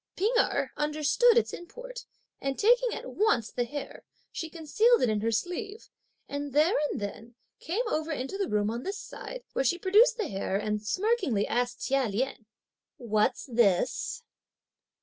P'ing Erh understood its import, and taking at once the hair, she concealed it in her sleeve, and there and then came over into the room on this side, where she produced the hair, and smirkingly asked Chia Lien, "What's this?"